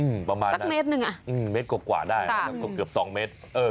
อื้อประมาณ๑เมตรกว่าได้ก็เกือบ๒เมตร